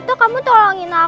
aku akan memulainya